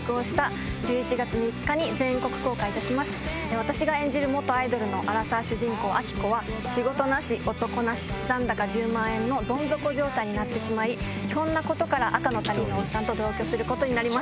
私が演じる元アイドルのアラサー主人公安希子は仕事なし男なし残高１０万円のどん底状態になってしまいひょんなことから赤の他人のおっさんと同居することに。